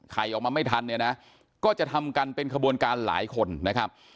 ออกมาไม่ทันเนี่ยนะก็จะทำกันเป็นขบวนการหลายคนนะครับ